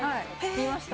見ました。